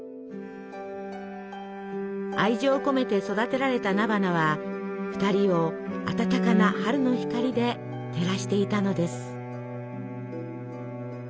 愛情込めて育てられた菜花は２人を暖かな春の光で照らしていたのです。